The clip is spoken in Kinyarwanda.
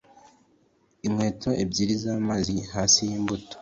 inkweto ebyiri zamazi hasi yimbuto),